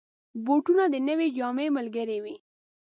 بوټونه د نوې جامې ملګري وي.